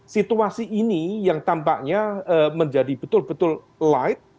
situasi ini yang tampaknya menjadi betul betul light